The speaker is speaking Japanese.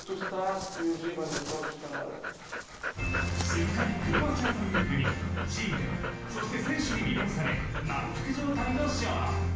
すっかりクロアチアという国チームそして選手に魅了され満腹状態のＳＨＯＮＯ。